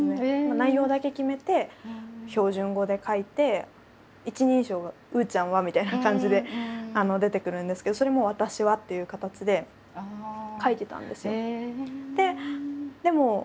内容だけ決めて標準語で書いて一人称が「うーちゃんは」みたいな感じで出てくるんですけどそれも「私は」っていう形で書いてたんですよ。